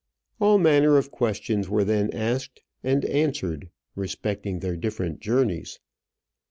All manner of questions were then asked and answered respecting their different journeys.